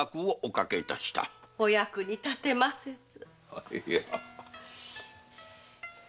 お役に立てませず。